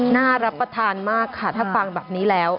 น่ารับประทานมากค่ะถ้าฟังแบบนี้แล้ว